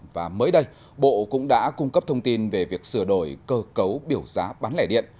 và mới đây bộ cũng đã cung cấp thông tin về việc sửa đổi cơ cấu biểu giá bán lẻ điện